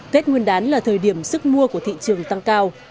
tết nguyên đán là thời điểm sức mua của thị trường tăng cao